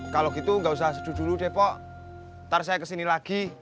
kalau gitu enggak usah seduh dulu deh pok ntar saya kesini lagi